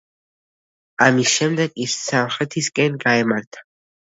ამის შემდეგ ის სამხრეთისკენ გაემართა.